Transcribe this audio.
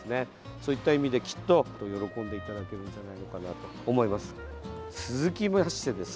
そういった意味できっと喜んでいただけるんじゃないのかなと思います。